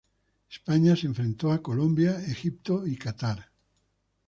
España se enfrentó a Colombia, Egipto y Catar.